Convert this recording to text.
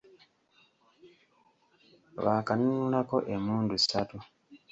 Baakanunulako emmundu ssatu.